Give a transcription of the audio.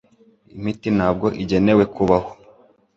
Imiti ntabwo igenewe kubaho